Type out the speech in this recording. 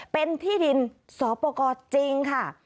เป็นที่ดินสอปกรจริงค่ะ